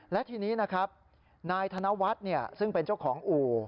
และทีนี้นะครับนายธนวัฒน์ซึ่งเป็นเจ้าของอู่